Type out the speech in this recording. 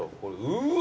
うわ！